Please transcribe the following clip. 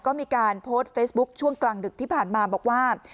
ก็มีการโพสต์เฟซบุ๊คช่วงกลางดึกที่ผ่านมาบอกว่า